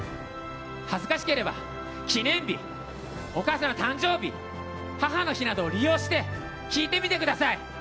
恥ずかしければ記念日、お母さんの誕生日母の日などを利用して聞いてみてください。